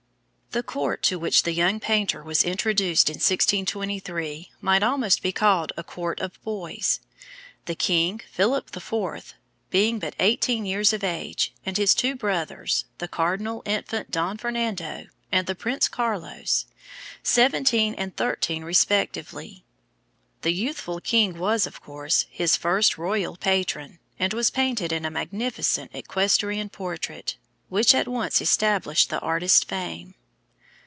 The court to which the young painter was introduced in 1623 might almost be called A Court of Boys, the king, Philip IV., being but eighteen years of age, and his two brothers, the Cardinal Infant Don Fernando, and the Prince Carlos, seventeen and thirteen respectively. The youthful king was, of course, his first royal patron, and was painted in a magnificent equestrian portrait, which at once established the artist's fame.